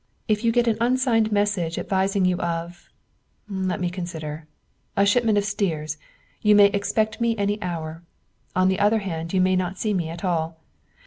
If you get an unsigned message advising you of let me consider a shipment of steers, you may expect me any hour. On the other hand, you may not see me at all.